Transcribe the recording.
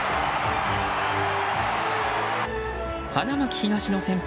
花巻東の先輩